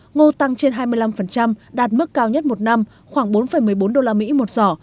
ngô tăng trên hai mươi năm đạt mức cao nhất một năm khoảng bốn một mươi bốn usd một giỏ